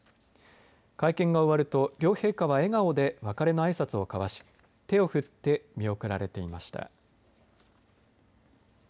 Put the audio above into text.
会見が終わると両陛下は笑顔で別れのあいさつを交わし手を振って見送られていました。